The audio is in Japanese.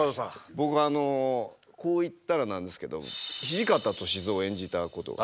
僕はあのこう言ったらなんですけど土方歳三を演じたことがありまして。